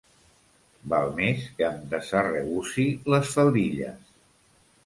Val més que em desarregussi les faldilles.